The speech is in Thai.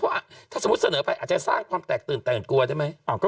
ว่าถ้าสมมุติเสนอไปอาจจะสร้างความแตกตื่นแต่งกลัวได้ไหม